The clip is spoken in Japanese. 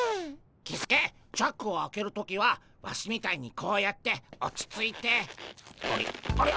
キスケチャックを開ける時はワシみたいにこうやって落ち着いてあれあれ？